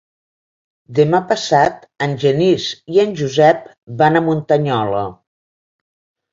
Demà passat en Genís i en Josep van a Muntanyola.